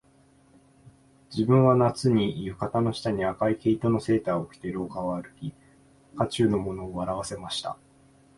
自分は夏に、浴衣の下に赤い毛糸のセーターを着て廊下を歩き、家中の者を笑わせました